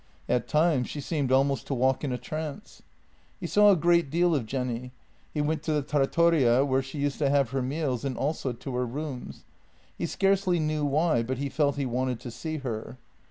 At times she seemed almost to walk in a trance. He saw a great deal of Jenny; he went to the trattoria where she used to have her meals, and also to her rooms. He scarcely knew why, but he felt he wanted to see her.